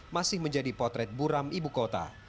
masih menjadi potret buram ibu kota